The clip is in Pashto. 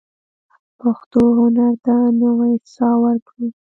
پښتو هنر ته نوې ساه ورکړو.